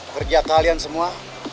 kerja kalian semua